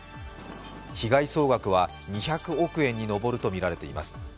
被害総額は２００億円に上るとみられています。